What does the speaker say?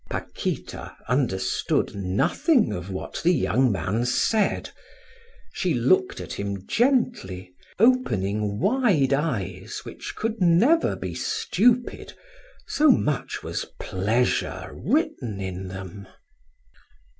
Paquita understood nothing of what the young man said; she looked at him gently, opening wide eyes which could never be stupid, so much was pleasure written in them.